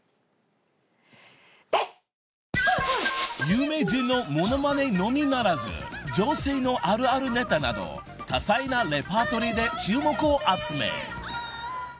［有名人の物まねのみならず女性のあるあるネタなど多彩なレパートリーで注目を集め］